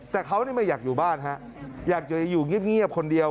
แต่เขาไม่อยากอยู่บ้านฮะอยากจะอยู่เงียบคนเดียว